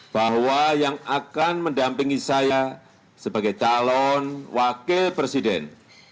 bahwa yang akan mendampingi saya sebagai calon wakil presiden